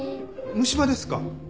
虫歯ですか？